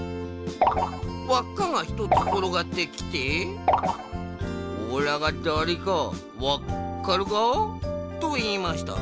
わっかが１つころがってきて「おらがだれかわっかるか？」といいました。